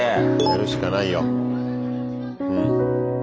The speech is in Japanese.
やるしかないよ。